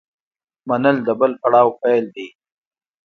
منل د بل پړاو پیل دی.